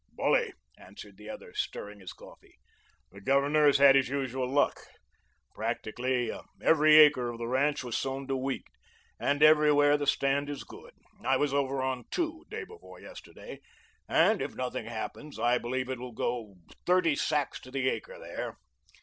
"Bully," answered the other, stirring his coffee. "The Governor has had his usual luck. Practically, every acre of the ranch was sown to wheat, and everywhere the stand is good. I was over on Two, day before yesterday, and if nothing happens, I believe it will go thirty sacks to the acre there.